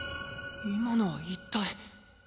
今のは一体。